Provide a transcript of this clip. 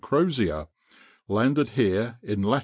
Crozier, landed here in lat.